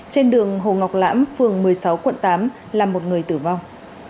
trên đường hồ ngọc lãm phường một mươi sáu quận tám là một người tử vong